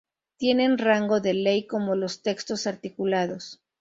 Tienen rango de ley como los textos articulados.